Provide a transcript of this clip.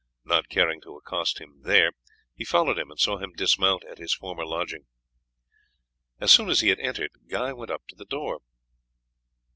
Not caring to accost him there, he followed him and saw him dismount at his former lodging. As soon as he had entered Guy went up to the door.